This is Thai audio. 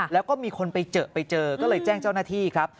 แล้วก็มีคนไปเจอไปเจอก็เลยแจ้งเจ้าหน้าที่ครับ